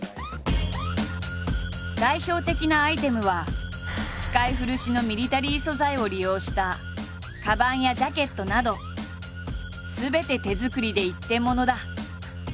代表的なアイテムは使い古しのミリタリー素材を利用したかばんやジャケットなどすべて手作りで一点物だ。